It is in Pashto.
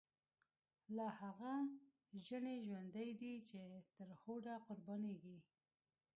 لا هغه ژڼۍ ژوندۍ دی، چی تر هوډه قربانیږی